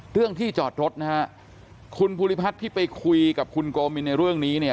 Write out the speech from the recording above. เรื่องที่จอดรถนะฮะคุณภูริพัฒน์ที่ไปคุยกับคุณโกมินในเรื่องนี้เนี่ย